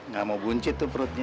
gak mau buncit tuh perutnya